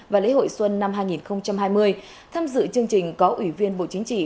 và lễ hội xuân năm hai nghìn hai mươi tham dự chương trình có ủy viên bộ chính trị